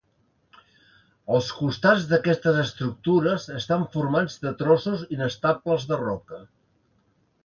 Els costats d'aquestes estructures estan formats de trossos inestables de roca.